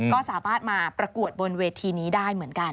ก็สามารถมาประกวดบนเวทีนี้ได้เหมือนกัน